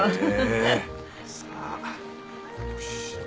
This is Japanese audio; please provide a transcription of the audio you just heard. さあよしっ。